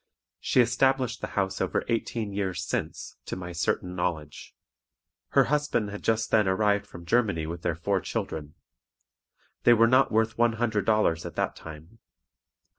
She established the house over eighteen years since, to my certain knowledge. Her husband had just then arrived from Germany with their four children. They were not worth one hundred dollars at that time.